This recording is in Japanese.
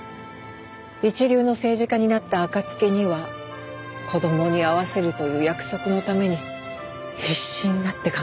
一流の政治家になった暁には子供に会わせるという約束のために必死になって頑張ってきた。